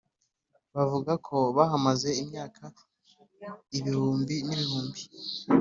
bavuga ko bahamaze imyaka ibihumbi n’ibihumbi!